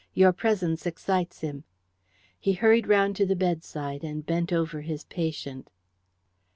"Your presence excites him." He hurried round to the bedside and bent over his patient.